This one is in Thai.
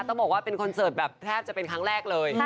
ต้องบอกว่าเป็นคอนเสิร์ตแบบแทบจะเป็นครั้งแรกเลย